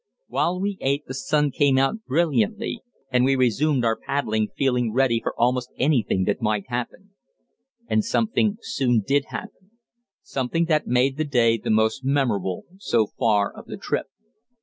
While we ate, the sun came out brilliantly, and we resumed our paddling feeling ready for almost anything that might happen. And something soon did happen something that made the day the most memorable so far of the trip.